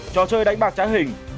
trò chơi đánh bạc trái hình